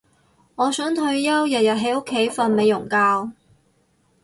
我想退休日日喺屋企瞓美容覺